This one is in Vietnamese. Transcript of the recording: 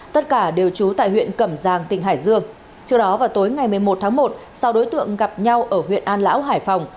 tất cả đều trú tại huyện cẩm giang tỉnh hải dương trước đó vào tối ngày một mươi một tháng một sau đối tượng gặp nhau ở huyện an lão hải phòng